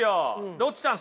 ロッチさん